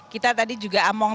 kita tadi juga among